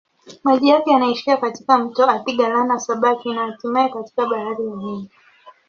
Maji yake yanaishia katika mto Athi-Galana-Sabaki na hatimaye katika Bahari ya Hindi.